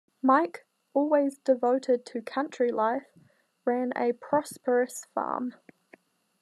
Mike, always devoted to country life, ran a prosperous farm.